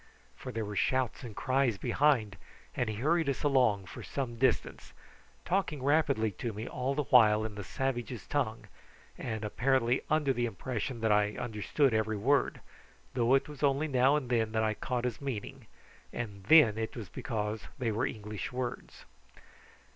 For there were shouts and cries behind, and he hurried us along for some distance, talking rapidly to me all the while in the savages' tongue, and apparently under the impression that I understood every word, though it was only now and then that I caught his meaning, and then it was because they were English words.